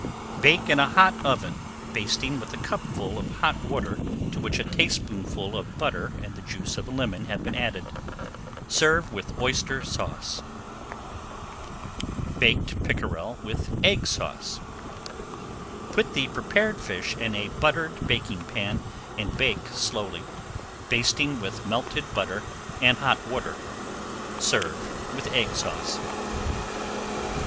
Bake in a hot oven, basting with a cupful of hot water to which a tablespoonful of butter and the juice of a lemon have been added. Serve with Oyster Sauce. BAKED PICKEREL WITH EGG SAUCE Put the prepared fish in a buttered baking pan, and bake slowly, basting with melted butter and hot water. Serve with Egg Sauce.